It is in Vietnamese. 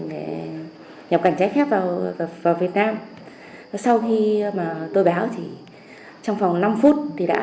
để nhập cảnh trái phép vào việt nam sau khi tôi báo trong phòng năm phút